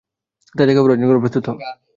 তাই, তাকে অপহরণ করার জন্য প্রস্তুত হ!